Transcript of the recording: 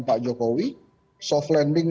pak jokowi soft landing